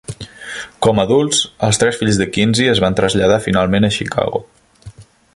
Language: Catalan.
Com adults, els tres fills de Kinzie es van traslladar finalment a Chicago.